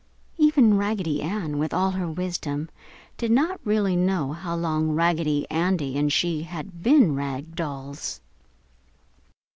Even Raggedy Ann, with all her wisdom, did not really know how long Raggedy Andy and she had been rag dolls.